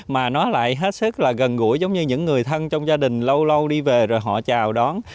mà nó lại hết sức là gần gũi giống như những người thân trong gia đình lâu lâu đi về rồi họ chào đón